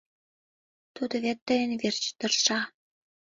Тудо вет тыйын верч тырша.